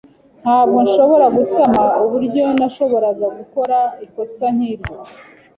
Ntabwo nshobora gusama uburyo nashoboraga gukora ikosa nkiryo.